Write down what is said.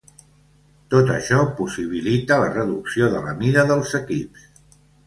Tot això possibilita la reducció de la mida dels equips.